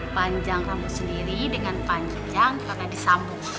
panjang rambut sendiri dengan panjang karena disambung